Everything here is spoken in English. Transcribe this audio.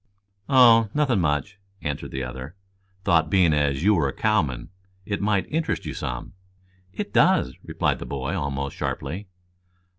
"Oh, nothing much," answered the other. "Thought being as you were a cowman it might interest you some." "It does," replied the boy almost sharply.